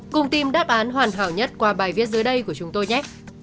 cùng tìm đáp án hoàn hảo nhất qua bài viết dưới đây của chúng tôi nhé